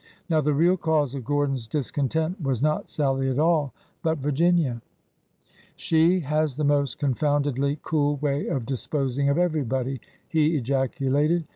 Now the real cause of Gordon's discontent was not Sallie at all, but Virginia. WHEN HEARTS ARE YOUNG 141 She has the most confoundedly cool way of disposing of everybody ! he ejaculated.